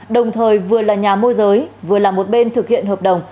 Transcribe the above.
đồng thời vừa là nhà môi giới vừa là một bên thực hiện hợp đồng